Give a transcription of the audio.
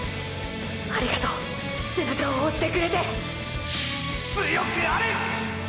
ありがとう背中を押してくれて強くあれ！！